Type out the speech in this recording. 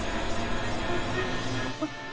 あっ！